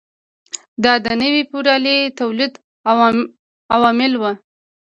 دا د نوي فیوډالي تولید عوامل وو.